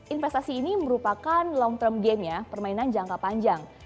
investasi ini merupakan long term game ya permainan jangka panjang